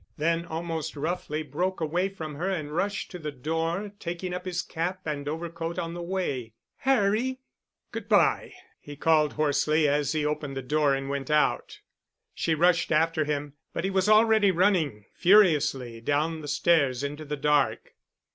Then almost roughly broke away from her and rushed to the door, taking up his cap and overcoat on the way. "Harry——!" "Good bye," he called hoarsely as he opened the door and went out. She rushed after him but he was already running furiously down the stairs into the dark.